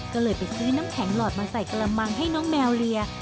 ก็เลยไปซื้อน้ำแข็งหลอดมาใส่กระมังให้น้องแมวเลีย